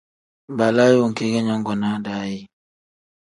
Balaayi wenki ge nyongonaa daa ye ?